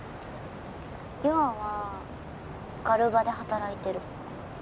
優愛はガルバで働いてる。